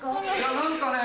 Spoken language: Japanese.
何かねぇ